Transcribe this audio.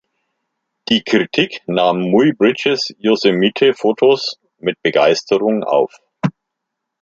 Die Kritik nahm Muybridges Yosemite-Fotos mit Begeisterung auf.